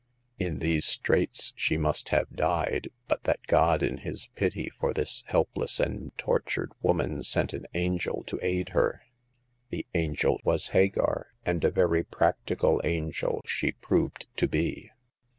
In these straits she must have died, but that God in His pity for this helpless and tortured woman sent an angel to aid i6o Hagar of the Pawn Shop. her. The angel was Hagar ; and a very practi cal angel she proved to be.